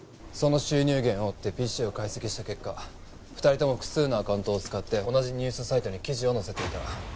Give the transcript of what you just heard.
その収入源を追ってＰＣを解析した結果２人とも複数のアカウントを使って同じニュースサイトに記事を載せていた。